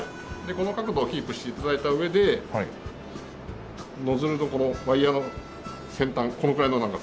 この角度をキープして頂いた上でノズルのこのワイヤの先端このくらいの長さです。